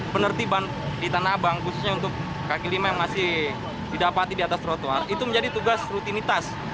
penertiban di tanah abang khususnya untuk kaki lima yang masih didapati di atas trotoar itu menjadi tugas rutinitas